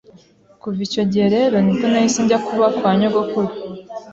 kuva icyo gihe rero nibwo nahise njya kuba kwa nyogokuru